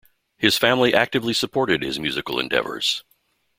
His family actively supported his musical endeavors.